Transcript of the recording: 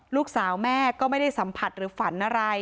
ลูกสาวแม่ก็ไม่ได้สัมผัสหรือฝันอะไร